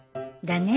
だね。